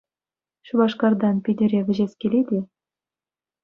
Шупашкартан Питӗре вӗҫес килет-и?